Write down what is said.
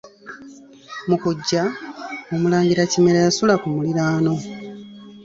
Mu kujja, omulangira Kimera yasula ku muliraano.